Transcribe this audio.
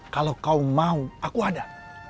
kalau kau mau aku ada